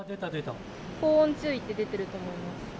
高温注意と出てると思います。